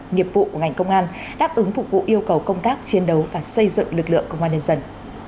nghiệp vụ của ngành công an đáp ứng phục vụ yêu cầu công tác chiến đấu và xây dựng lực lượng công an nhân dân